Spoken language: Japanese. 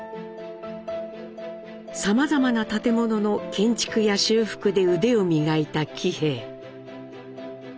さまざまな建物の建築や修復で腕を磨いた喜兵衛。